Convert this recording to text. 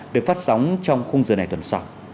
được phát sóng trong khung giờ này tuần sau